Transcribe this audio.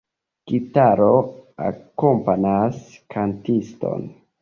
Gitaro akompanas kantiston.